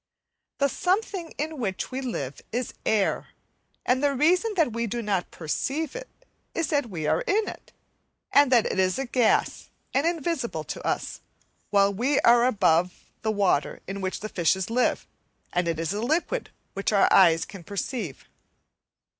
The something in which we live is air, and the reason that we do not perceive it, is that we are in it, and that it is a gas, and invisible to us; while we are above the water in which the fishes live, and it is a liquid which our eyes can perceive.